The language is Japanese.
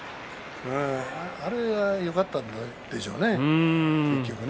あれがよかったんでしょうね結局ね。